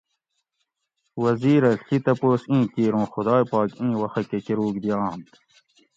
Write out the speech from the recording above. وزیر اۤ ڷی تپوس اِیں کِیر اُوں خداۓ پاک اِیں وخہ کہ کۤرُوگ دیانت